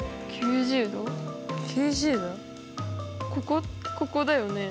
ここここだよね？